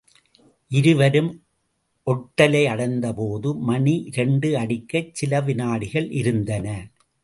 இருவரும் ஒட்டலை அடைந்தபோது மணி இரண்டு அடிக்கச் சில வினாடிகள் இருந்தன.